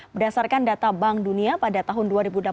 berdasarkan data bank dunia pada tahun dua ribu delapan belas